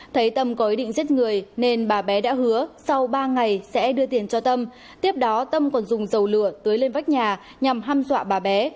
thấy tâm có ý định giết người nên bà bé đã hứa sau ba ngày sẽ đưa tiền cho tâm tiếp đó tâm còn dùng dầu lửa tưới lên vách nhà nhằm hăm dọa bà bé